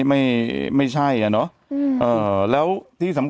แต่หนูจะเอากับน้องเขามาแต่ว่า